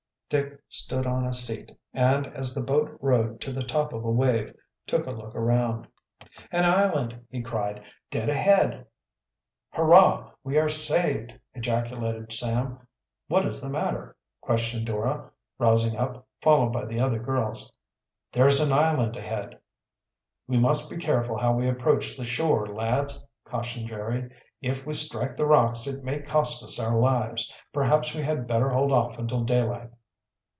Dick stood on a seat, and, as the boat rode to the top of a wave, took a look around. "An island!" he cried. "Dead ahead!" "Hurrah! We are saved!" ejaculated Sam. "What is the matter?" questioned Dora, rousing up, followed by the other girls. "There is an island ahead." "We must be careful how we approach the shore, lads," cautioned Jerry. "If we strike the rocks, it may cost us our lives. Perhaps we had better hold off until daylight."